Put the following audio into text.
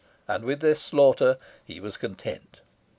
And with this slaughter he was content.